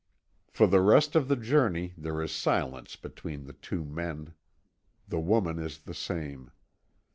For the rest of the journey there is silence between the two men. The woman is the same.